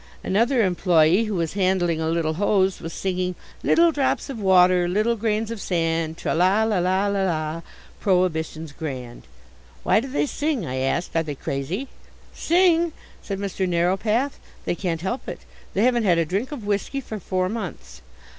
Another employe, who was handling a little hose, was singing, "Little drops of water, little grains of sand, Tra, la, la, la, la la, Prohibition's grand." "Why do they sing?" I asked. "Are they crazy?" "Sing?" said Mr Narrowpath. "They can't help it. They haven't had a drink of whisky for four months."